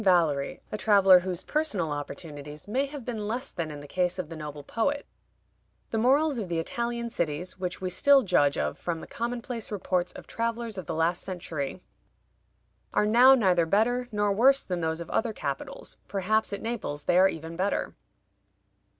Valery, a traveler whose personal opportunities may have been less than in the case of the noble poet: "The morals of the Italian cities, which we still judge of from the commonplace reports of travelers of the last century, are now neither better nor worse than those of other capitals; perhaps at Naples they are even better."